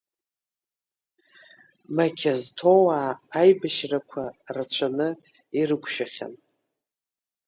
Мақьазҭоуаа аибашьрақәа рацәаны ирықәшәахьан.